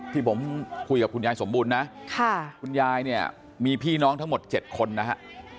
ที่ผมคุยกับคุณยายสมบูรณ์นะคุณยายเนี่ยมีพี่น้องทั้งหมด๗คนนะฮะ